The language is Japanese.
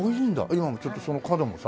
今もちょっとその角のさ。